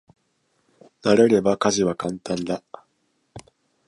慣れれば家事は簡単だ。